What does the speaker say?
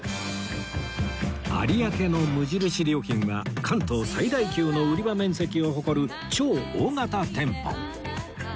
有明の無印良品は関東最大級の売り場面積を誇る超大型店舗